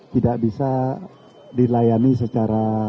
tidak bisa dilayani secara